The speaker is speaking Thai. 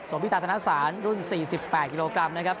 พิตาธนสารรุ่น๔๘กิโลกรัมนะครับ